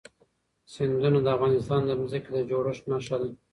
سیندونه د افغانستان د ځمکې د جوړښت نښه ده.